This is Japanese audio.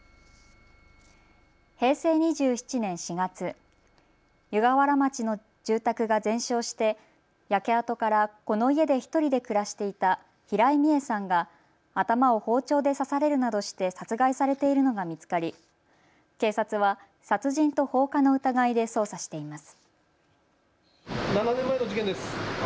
平成２７年４月、湯河原町の住宅が全焼して焼け跡からこの家で１人で暮らしていた平井美江さんが頭を包丁で刺されるなどして殺害されているのが見つかり警察は殺人と放火の疑いで捜査しています。